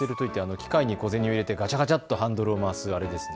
機械に小銭を入れてガチャガチャっとハンドルを回すあれですね。